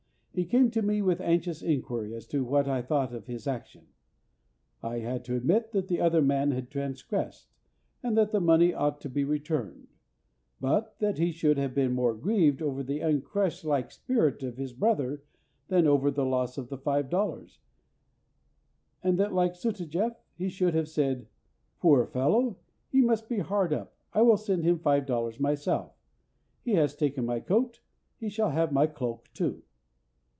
He came to me with anxious inquiry as to what I thought of his action. I had to admit that the other man had transgressed, and that the money ought to be returned, but that he should have been more grieved over the unchristlike spirit of his brother than over the loss of the five dollars, and that like Sutajeff he should have said, "Poor fellow! he must be hard up; I will send him five dollars myself. He has taken my coat, he shall have my cloak too."